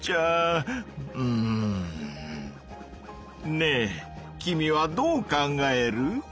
ねえ君はどう考える？